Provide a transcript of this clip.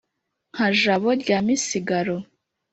nka jabo rya misigaro.